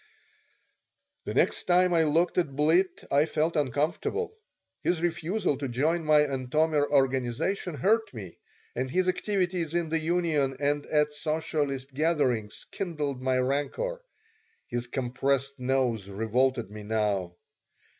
The next time I looked at Blitt I felt uncomfortable. His refusal to join my Antomir organization hurt me, and his activities in the union and at socialist gatherings kindled my rancor. His compressed nose revolted me now.